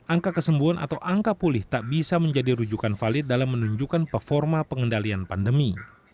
angka kesembuhan atau angka pulih tak bisa menjadi rujukan valid dalam menunjukkan performa pengendalian pandemi